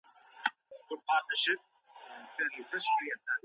ولي لېواله انسان د لوستي کس په پرتله ژر بریالی کېږي؟